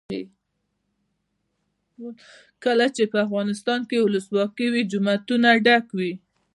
کله چې افغانستان کې ولسواکي وي جوماتونه ډک وي.